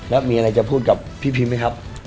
แล้วมีอะไรจะพูดกับพี่พิมไหมครับ